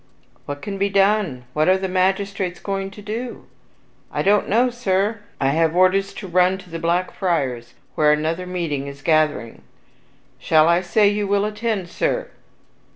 What can be done? What are the magistrates going to do?" "I don't know, sir. I have orders to run to the Black Friars, where another meeting is gathering. Shall I say you will attend, sir?"